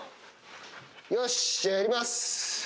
よし、じゃあやります。